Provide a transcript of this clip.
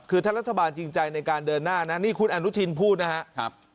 คือถ้ารัฐบาลจริงใจในการเดินหน้านะนี่คุณอนุทินพูดนะครับ